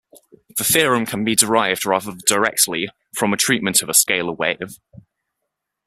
The theorem can be derived rather directly from a treatment of a scalar wave.